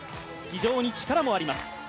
非常に力もあります。